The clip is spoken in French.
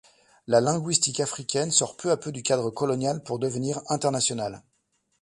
La linguistique africaine sort peu à peu du cadre colonial pour devenir internationale.